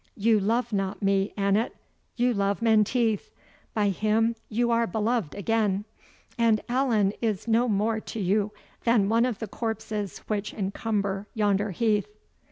You love not me, Annot you love Menteith by him you are beloved again, and Allan is no more to you than one of the corpses which encumber yonder heath."